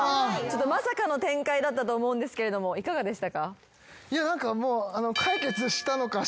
まさかの展開だったと思うんですけれどもいかがでしたか？